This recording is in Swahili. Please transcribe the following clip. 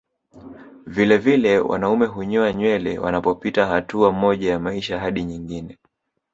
Vilevile wanaume hunyoa nywele wanapopita hatua moja ya maisha hadi nyingine